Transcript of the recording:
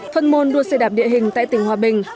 phân môn đua xe đạp địa hình tại tỉnh hòa bình